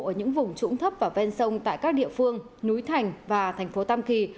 ở những vùng trũng thấp và ven sông tại các địa phương núi thành và thành phố tam kỳ